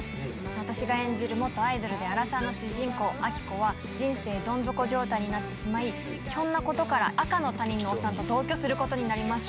私が演じる元アイドルでアラサーの主人公、あきこは、人生どん底状態になってしまい、ひょんなことから赤の他人のおっさんと同居することになります。